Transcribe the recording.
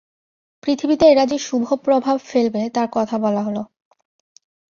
পৃথিবীতে এরা যে শুভ প্রভাব ফেলবে তার কথা বলা হল।